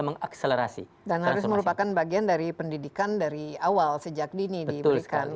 mengakselerasi dan harus merupakan bagian dari pendidikan dari awal sejak dini diberikan